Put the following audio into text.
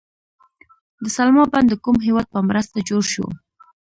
د سلما بند د کوم هیواد په مرسته جوړ شو؟